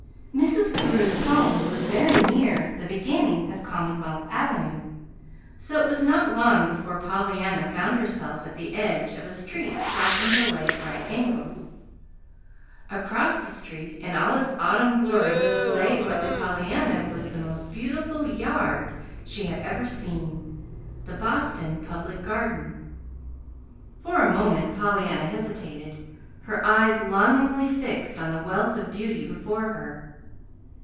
Mrs. Carew's home was very near the beginning of Commonwealth Avenue, so it was not long before Pollyanna found herself at the edge of a street crossing her way at right angles. Across the street, in all its autumn glory, lay what to Pollyanna was the most beautiful "yard" she had ever seen the Boston Public Garden. For a moment Pollyanna hesitated, her eyes longingly fixed on the wealth of beauty before her.